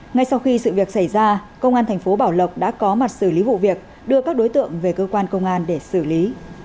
ngay sau khi sự việc xảy ra công an thành phố bảo lộc đã có mặt xử lý vụ việc đưa các đối tượng về cơ quan công an để xử lý